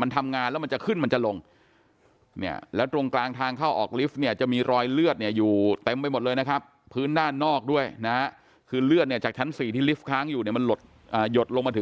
มันทำงานแล้วมันจะขึ้นมันจะลงแล้วตรงกลางทางเข้าออกลิฟต์เนี่ย